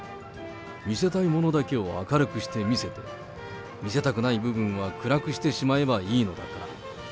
見せたいものだけを明るくして見せて、見せたくない部分は暗くしてしまえばいいのだから。